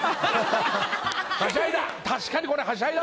はしゃいだ。